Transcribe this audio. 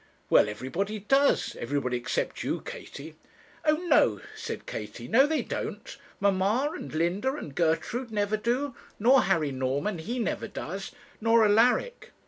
'Well, everybody does everybody except you, Katie.' 'O no,' said Katie 'no they don't mamma, and Linda, and Gertrude never do; nor Harry Norman, he never does, nor Alaric.'